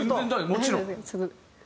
もちろん！